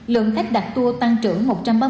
lượng khách đạt tour tăng trưởng